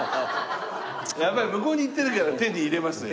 やっぱり向こうに行ってりゃ手に入れますよ。